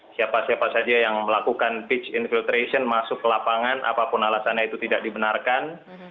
siapa siapa saja yang melakukan pitch infiltration masuk ke lapangan apapun alasannya itu tidak dibenarkan